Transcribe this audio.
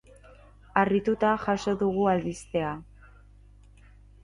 Harrituta jaso dugu albistea.